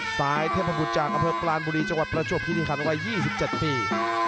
ซ้ายเทพภัณฑ์พุทธจากกรานบุรีจังหวัดประจวบพิธีคันวัย๒๗ปี